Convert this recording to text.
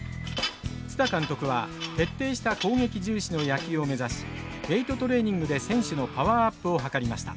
蔦監督は徹底した攻撃重視の野球を目指しウエイトトレーニングで選手のパワーアップを図りました。